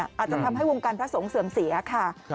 อาจจะทำให้วงการพระสงฆ์เสื่อมเสียค่ะ